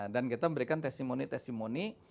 dan kita memberikan tesimoni tesimoni